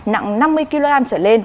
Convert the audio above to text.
nặng năm mươi kg trở lên